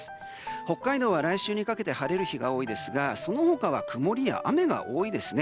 北海道は来週にかけて晴れる日が多いですがその他は曇りや雨が多いですね。